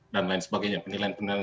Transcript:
lain sebagainya penilaian penilaian